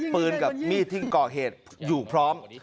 ปืนกับมีดทิ้งก่อเหตุอยู่พร้อม